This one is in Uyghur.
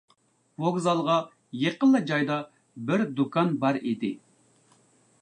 ۋوگزالغا يېقىنلا جايدا بىر دۇكان بار ئىدى.